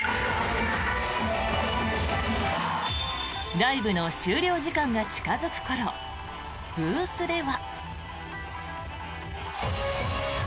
ライブの終了時間が近付く頃ブースでは。